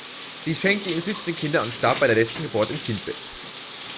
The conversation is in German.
Sie schenkte ihm siebzehn Kinder und starb bei der letzten Geburt im Kindbett.